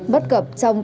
bất cập trong các hạn chế